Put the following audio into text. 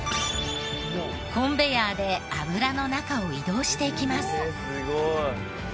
コンベヤーで油の中を移動していきます。